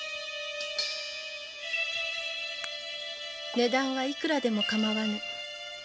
値段はいくらでもかまわぬ。